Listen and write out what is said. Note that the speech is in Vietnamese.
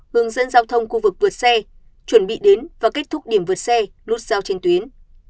hướng dẫn giao thông khu vực vượt xe chuẩn bị đến và kết thúc điểm vượt xe nút giao trên tuyến